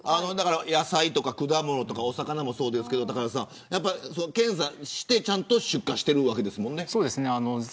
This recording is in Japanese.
野菜とか果物とかお魚もそうですけど検査して出荷しているわけですもんね。